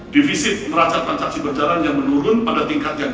divisit merancang pancaksi berjaran yang menurun pada tingkat yang